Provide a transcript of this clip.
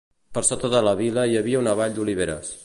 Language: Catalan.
Per sota de la vila hi havia una vall d'oliveres.